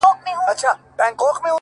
• دا مي سوگند دی ـ